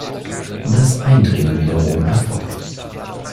Das Eindringen wiederum erfolgt